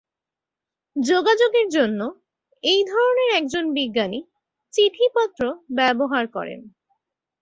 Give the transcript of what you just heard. যোগাযোগের জন্য, এই ধরনের একজন বিজ্ঞানী "চিঠিপত্র" ব্যবহার করেন।